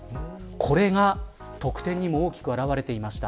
これが得点にも大きく表れていました。